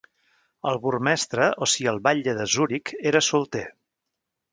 El burgmestre, o sia, el batlle de Zuric, era solter.